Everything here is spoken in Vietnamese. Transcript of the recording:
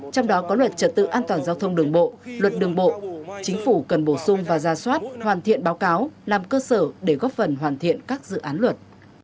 trong đó có luật trật tự an toàn giao thông đường bộ luật đường bộ chính phủ cần bổ sung và ra soát hoàn thiện báo cáo làm cơ sở để góp phần hoàn thiện các dự án luật